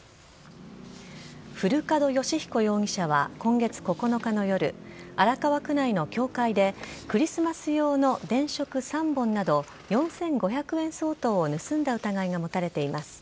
古門義彦容疑者は今月９日の夜、荒川区内の教会で、クリスマス用の電飾３本など、４５００円相当を盗んだ疑いが持たれています。